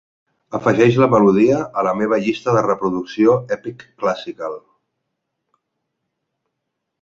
Afegeix la melodia a la meva llista de reproducció Epic Classical.